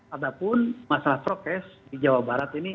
ataupun masalah prokes di jawa barat ini